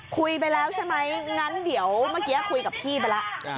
คุยไปแล้วใช่ไหมงั้นเดี๋ยวเมื่อกี้คุยกับพี่ไปแล้ว